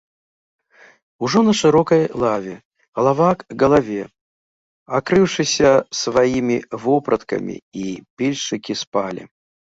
Ужо на шырокай лаве, галава к галаве, акрыўшыся сваімі вопраткамі, і пільшчыкі спалі.